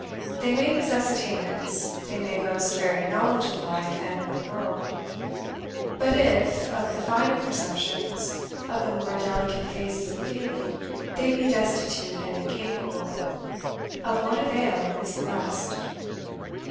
They may possess attainments, they may boast varied knowledge of life and of the world; but if of the finer perceptions, of the more delicate phases of feeling, they be destitute and incapable, of what avail is the rest?